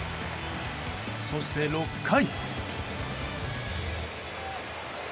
そして６回。